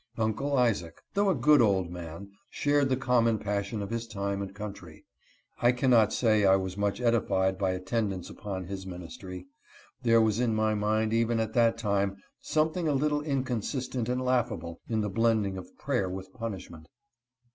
Uncle Isaac, though a good old • man, ^Shared lire common passion of his time and country. I cannot say I was much edified by attendance upon his ministry. There was in my mind, even at that time, something a little inconsistent and laughable in the blending of prayer with punishment. 48 MY MASTER, CAPT. ANTHONY.